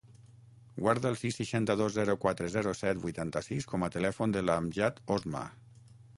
Guarda el sis, seixanta-dos, zero, quatre, zero, set, vuitanta-sis com a telèfon de l'Amjad Osma.